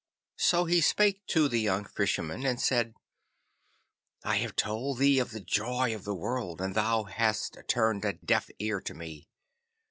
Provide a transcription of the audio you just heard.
So he spake to the young Fisherman and said, 'I have told thee of the joy of the world, and thou hast turned a deaf ear to me.